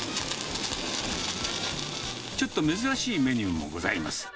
ちょっと珍しいメニューもございます。